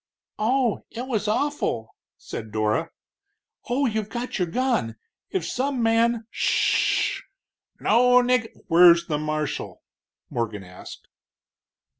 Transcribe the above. "Oh, it was awful!" said Dora. "Oh, you've got your gun! If some man " "Sh h h! No nig " "Where's the marshal?" Morgan asked.